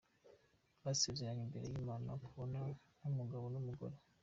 Basezeranye imbere y'Imana kubana nk'umugabo n'umugore.